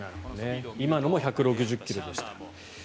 今のも１６０ｋｍでした。